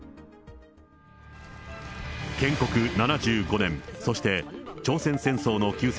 建国７５年、そして朝鮮戦争の休戦